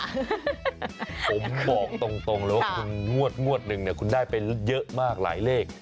ผมบอกตรงเลยว่าคุณงวดหนึ่งเนี่ยคุณได้ไปเยอะมากหลายเลข